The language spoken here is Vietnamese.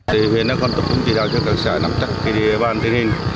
huyện đã còn tập trung chỉ đạo cho các xã nắm chắc khi đi bàn thiên hình